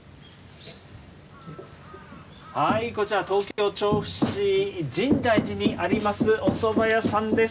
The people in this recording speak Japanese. こちら、東京・調布市、深大寺にありますおそば屋さんです。